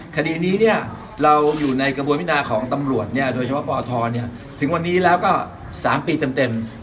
คดีนี้เราอยู่ในกระบวนวินาของตำรวจโดยเฉพาะปทถึงวันนี้แล้วก็๓ปีเต็ม